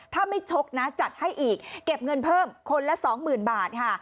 ถ้าไม่ชกนะจัดให้อีกเก็บเงินเพิ่มคนละสองหมื่นบาทค่ะ